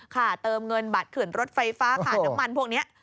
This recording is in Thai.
ค่ะเติมเงินบัตรเขื่อนรถไฟฟ้าค่าน้ำมันพวกนี้